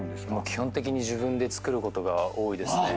基本的に自分で作ることが多いですね。